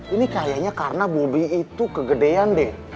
ini kayaknya karena bobi itu kegedean deh